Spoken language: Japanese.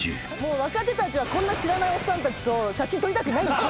若手たちはこんな知らないおっさんたちと写真撮りたくないんですよ。